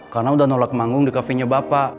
karena udah nolak manggung di cafe nya bapak